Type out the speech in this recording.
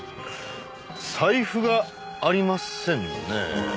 財布がありませんね。